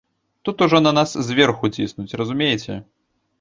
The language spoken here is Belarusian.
Тут ужо на нас зверху ціснуць, разумееце?